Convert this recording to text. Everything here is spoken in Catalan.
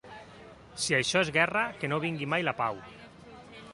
Si això és guerra, que no vingui mai la pau.